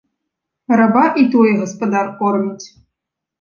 Раба і тое гаспадар корміць.